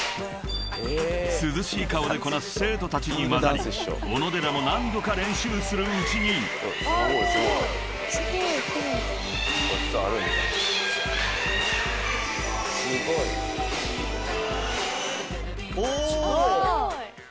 ［涼しい顔でこなす生徒たちに交ざり小野寺も何度か練習するうちに］おおすごい。